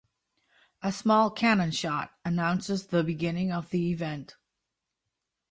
A small cannon shot announces the beginning of the event.